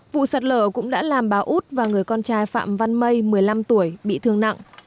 vụ sạt lở cũng đã làm bà út và người con trai phạm văn may một mươi năm tuổi bị thương nặng